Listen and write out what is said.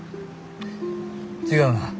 違うな。